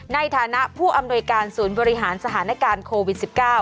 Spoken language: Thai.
ในฐานะผู้อำนวยการศูนย์บริหารสถานการณ์โควิด๑๙